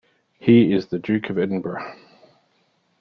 He is the Duke of Edinburgh.